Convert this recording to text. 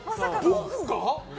僕が？